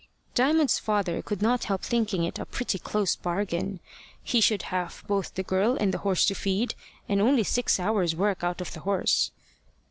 Diamond's father could not help thinking it a pretty close bargain. He should have both the girl and the horse to feed, and only six hours' work out of the horse.